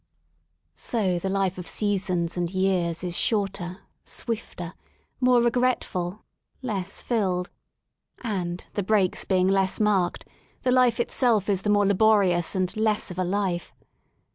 So the life of seasons and years is shorter, swifter, more regretful, less filled. And, the breaks being less marked, the life itself is the more laborious and less of a life.